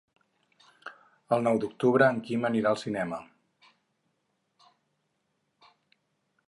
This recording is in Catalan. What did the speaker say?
El nou d'octubre en Quim anirà al cinema.